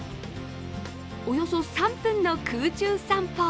およそ３分の空中散歩。